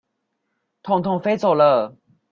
痛痛飛走了